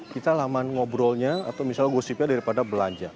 kita laman ngobrolnya atau misalnya gosipnya daripada belanja